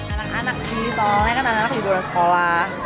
anak anak sih soalnya kan anak anak juga bersekolah